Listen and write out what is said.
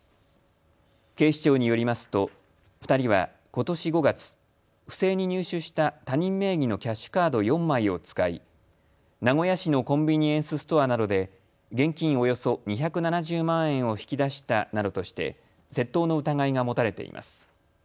警視庁によりますと２人はことし５月、不正に入手した他人名義のキャッシュカード４枚を使い名古屋市のコンビニエンスストアなどで現金およそ２７０万円を引き出したなどとして窃盗の疑いが持たれています。